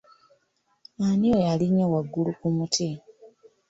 Ani oyo alinnye waggulu ku muti?